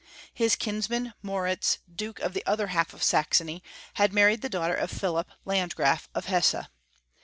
His kinsman, Moritz, Duke of the other half of Saxony, had married the daughter of Philip, Landgraf of* Hesse.